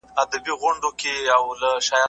مغول غواړي چي تاریخ یې تل ژوندی پاته سي.